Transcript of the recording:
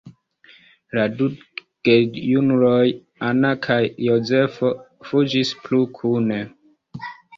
La du gejunuloj, Anna kaj Jozefo, fuĝis plu kune.